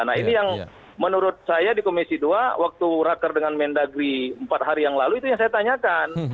nah ini yang menurut saya di komisi dua waktu raker dengan mendagri empat hari yang lalu itu yang saya tanyakan